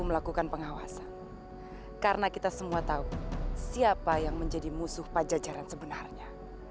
melakukan pengawasan karena kita semua tahu siapa yang menjadi musuh pajajaran sebenarnya